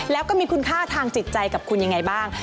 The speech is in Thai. แล้วก็มีคุณค่าทางจิตใจกับคุณยังไงบ้าง